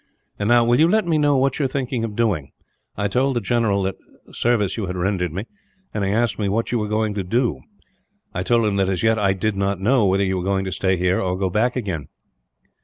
"And now, will you let me know what you are thinking of doing? I told the general what service you had rendered me, and he asked me what you were going to do. I told him that, as yet, I did not know whether you were going to stay here, or go back again."